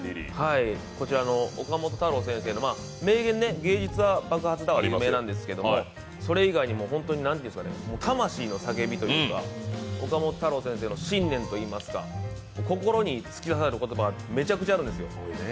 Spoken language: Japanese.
岡本太郎先生の名言「芸術は爆発だ」は有名なんですけど、それ以外にも本当に魂の叫びといいますか、岡本太郎先生の信念というか心に突き刺さる言葉がめちゃくちゃあるんですよ。